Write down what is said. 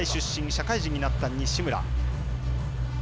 社会人になった西村。